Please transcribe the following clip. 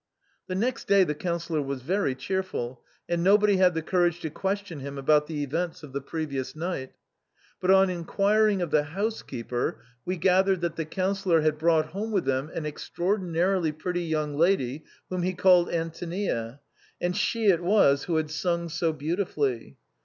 The next day the Councillor was very cheerful, and nobody had the courage to question him about the events of the previous night. But on inquiring of the house keeper, we gathered that the Councillor had brought home with him an extraordinarily pretty young lady whom he called Antonia, and she it was who had sung so beautifully.